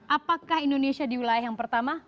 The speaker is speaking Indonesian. apakah indonesia di wilayah yang pertama